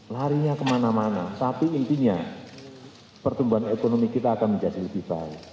larinya kemana mana tapi intinya pertumbuhan ekonomi kita akan menjadi lebih baik